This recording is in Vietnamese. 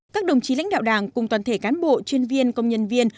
các đồng chí lãnh đạo đảng cùng toàn thể cán bộ chuyên viên công nhân viên